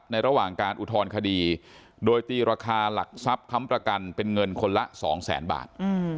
ระหว่างการอุทธรณคดีโดยตีราคาหลักทรัพย์ค้ำประกันเป็นเงินคนละสองแสนบาท